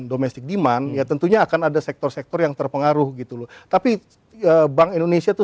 domestic demand ya tentunya akan ada sektor sektor yang terpengaruh gitu loh tapi bank indonesia tuh